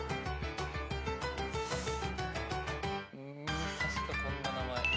うーん確かこんな名前。